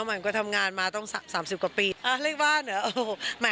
เหมือนที่เราทำงานมาต้องสามสิบกว่าปี